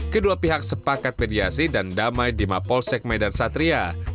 kedua pihak sepakat mediasi dan damai di mapolsek medan satria